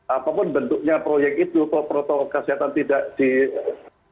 apapun bentuknya proyek itu protokol kesehatan tidak dilakukan dengan